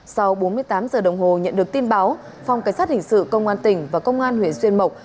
sau bốn mươi tám giờ đồng hồ nhận được tin báo phòng cảnh sát hình sự công an tỉnh và công an huyện xuyên mộc